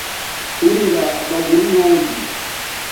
Urira amaguru yombi